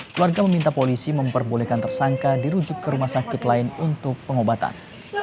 keluarga meminta polisi memperbolehkan tersangka dirujuk ke rumah sakit lain untuk pengobatan